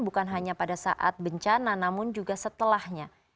bukan hanya pada saat bencana namun juga setelahnya